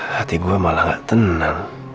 hati gue malah gak tenang